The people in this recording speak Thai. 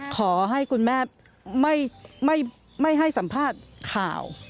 ขอให้คุณแม่ไม่ให้สัมภาษณ์ข่าว